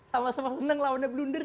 sama sama menang lawannya blunder